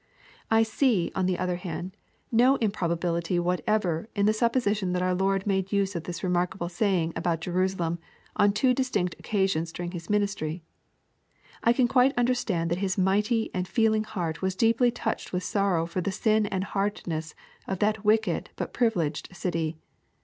I see on the other hand no improbability whatever m the sup position that our Lord made use of this remarkable saying about Jerusalem on two distinct occasions during His ministry. I can quite understand that His mighty and feeling heart was deeply touched with sorrow for the sin and hardness of that wicked but Erivileged city.